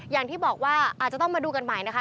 อย่างที่บอกว่าอาจจะต้องมาดูกันใหม่นะคะ